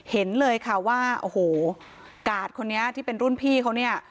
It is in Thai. เห็นเลยค่ะว่าโอ้โหกาดคนนี้ที่เป็นรุ่นพี่เขาเนี่ย